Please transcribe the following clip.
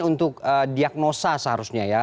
untuk diagnosa seharusnya ya